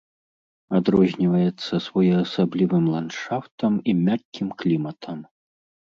Адрозніваецца своеасаблівым ландшафтам і мяккім кліматам.